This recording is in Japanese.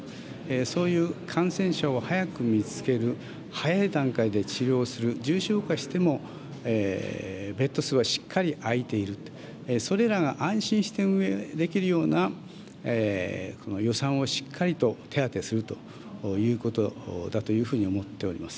そういう感染者を早く見つける、早い段階で治療をする、重症化しても、ベッド数はしっかり空いていると、それらが安心して運営できるような予算をしっかりと手当するということだというふうに思っております。